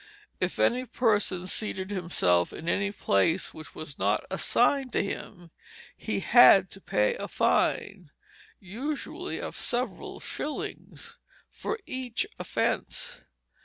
If any person seated himself in any place which was not assigned to him, he had to pay a fine, usually of several shillings, for each offence.